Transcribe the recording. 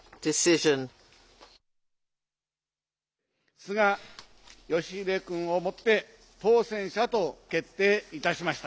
菅義偉君をもって、当選者と決定いたしました。